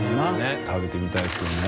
福食べてみたいですよね